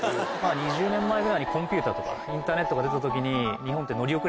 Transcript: ２０年前ぐらいにコンピューターとかインターネットが出た時に。